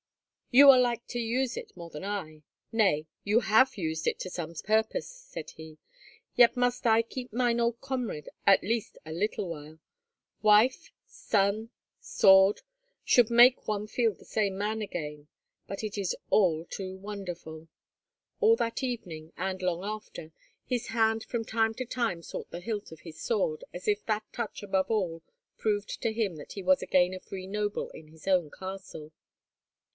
"You are like to use it more than I,—nay, you have used it to some purpose," said he. "Yet must I keep mine old comrade at least a little while. Wife, son, sword, should make one feel the same man again, but it is all too wonderful!" All that evening, and long after, his hand from time to time sought the hilt of his sword, as if that touch above all proved to him that he was again a free noble in his own castle.